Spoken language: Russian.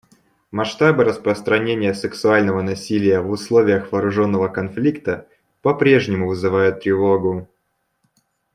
Масштабы распространения сексуального насилия в условиях вооруженного конфликта попрежнему вызывают тревогу.